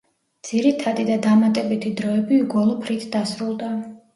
ძირითადი და დამატებითი დროები უგოლო ფრით დასრულდა.